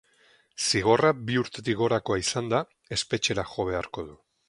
Zigorra bi urtetik gorakoa izanda, espetxera jo beharko du.